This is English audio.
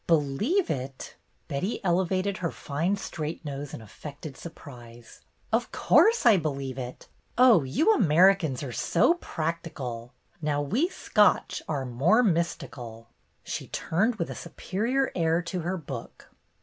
"Believe it!" Betty elevated her fine straight nose in affected surprise. "Of course I believe it. Oh, you Americans are so practi cal ! Now we Scotch are more mystical." She turned with a superior air to her book.